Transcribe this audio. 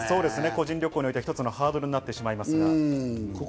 個人旅行についてはひとつのハードルになってしまいますから。